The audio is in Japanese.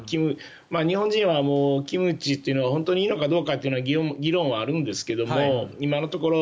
日本人はキムチというのは本当にいいのかというのは議論はあるんですけども今のところ